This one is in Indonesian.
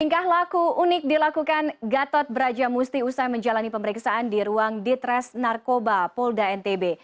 tingkah laku unik dilakukan gatot brajamusti usai menjalani pemeriksaan di ruang ditres narkoba polda ntb